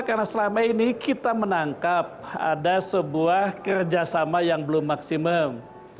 karena selama ini kita menangkap ada sebuah kerjasama yang belum maksimum